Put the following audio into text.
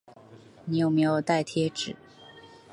你有没有带贴纸